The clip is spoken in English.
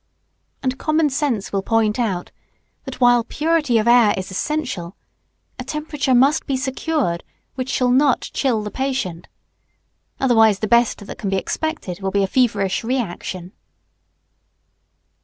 And common sense will point out, that, while purity of air is essential, a temperature must be secured which shall not chill the patient. Otherwise the best that can be expected will be a feverish re action.